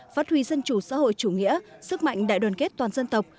phát huy dân chủ xã hội chủ nghĩa sức mạnh đại đoàn kết toàn dân tộc